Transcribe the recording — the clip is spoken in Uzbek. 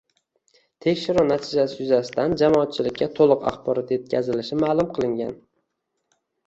Tekshiruv natijasi yuzasidan jamoatchilikka to‘liq axborot yetkazilishi ma’lum qilingan